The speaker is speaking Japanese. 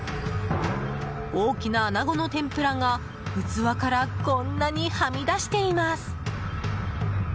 大きなアナゴの天ぷらが器からこんなにはみ出しています。